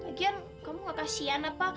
lagian kamu gak kasian apa